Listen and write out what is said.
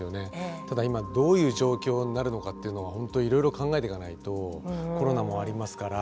ただ今どういう状況になるのかっていうのは本当いろいろ考えていかないとコロナもありますから。